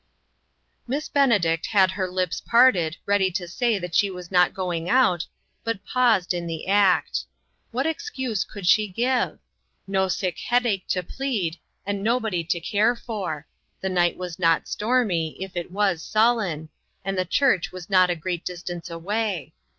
Miss Benedict had her lips parted, ready to say that she was not going out, but paused in the act. What excuse could she give? No sick headache to plead, and no body to care for ; the night was not stormy, if it was sullen, and the church was not a 86 INTERRUPTED. great distance away.